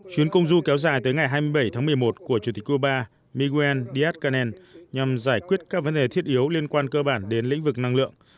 chuyến công du kéo dài tới ngày hai mươi bảy tháng một mươi một của chủ tịch cuba miguel díaz canel nhằm giải quyết các vấn đề thiết yếu liên quan cơ bản đến lĩnh vực năng lượng